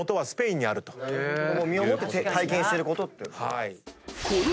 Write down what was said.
身をもって体験してることって。